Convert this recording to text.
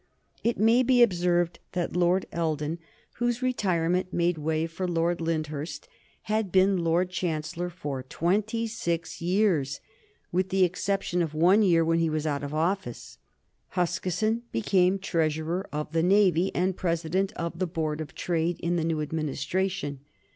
It may be observed that Lord Eldon, whose retirement made way for Lord Lyndhurst, had been Lord Chancellor for twenty six years, with the exception of one year when he was out of office. Huskisson became Treasurer of the Navy and President of the Board of Trade in the new Administration.